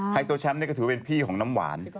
ไฮโซแชมป์เนี่ยก็ถือเป็นพี่ของน้ำหวาน